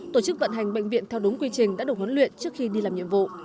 tổ chức vận hành bệnh viện theo đúng quy trình đã được huấn luyện trước khi đi làm nhiệm vụ